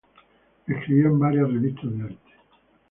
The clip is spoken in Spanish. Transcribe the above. Escribió en varias revistas de arte.